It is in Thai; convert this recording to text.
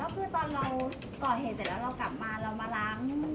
ไม่ได้บอกเขาเลยครับ